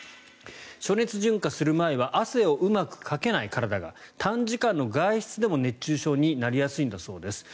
暑熱順化する前は体が汗をうまくかけない短時間の外出でも熱中症になりやすいんだそうです。